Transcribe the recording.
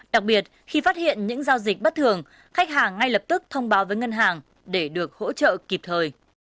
đặc biệt khi phát hiện những giao dịch bất thường khách hàng ngay lập tức thông báo với ngân hàng để được hỗ trợ kịp thời